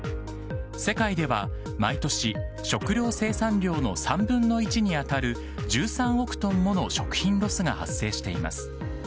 世界では毎年、食料生産量の３分の１に当たる１３億トンもの食品ロスが発生しています。